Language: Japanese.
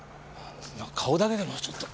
そんな顔だけでもちょっと。